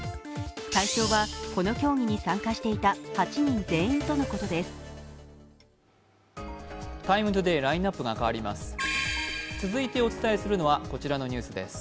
対象はこの競技に参加していた８人全員とのことです。